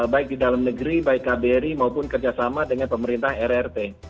baik di dalam negeri baik kbri maupun kerjasama dengan pemerintah rrt